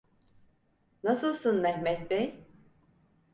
Nasılsın Mehmet Bey?